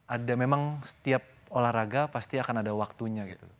ada memang setiap olahraga pasti akan ada waktunya gitu